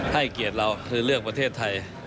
ให้เกียรติเราคือเรื่องประเทศไทย